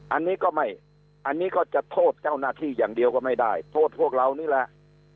อันนี้ก็ไม่อันนี้ก็จะโทษเจ้าหน้าที่อย่างเดียวก็ไม่ได้โทษพวกเรานี่แหละ